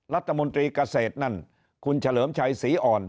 รัฐมนตรีเกษตรนั่นคุณเฉลิมชัยศรีอ่อน